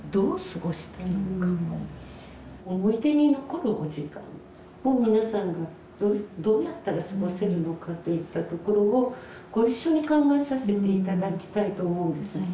思い出に残るお時間を皆さんがどうやったら過ごせるのかといったところをご一緒に考えさせて頂きたいと思うんです。